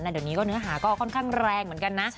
เดี๋ยวนี้ก็เนื้อหาก็ค่อนข้างแรงเหมือนกันนะ